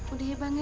udah ya bang ya